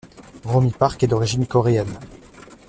Romi Park est d'origine coréenne.